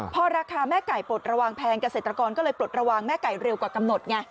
พอราคาแม่ไก่ปลดระวังแพงเกษตรกรก็เลยปลดระวังแม่ไก่เร็วกว่ากำหนดไง